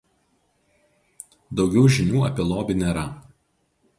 Daugiau žinių apie lobį nėra.